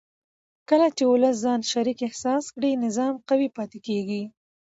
کله چې ولس ځان شریک احساس کړي نظام قوي پاتې کېږي